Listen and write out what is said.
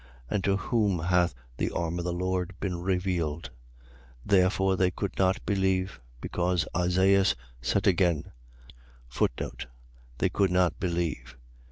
And to whom hath the arm of the Lord been revealed? 12:39. Therefore they could not believe, because Isaias said again: They could not believe.